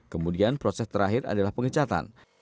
kemudian proses terakhir adalah pengecatan